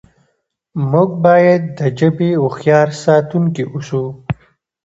موږ باید د ژبې هوښیار ساتونکي اوسو.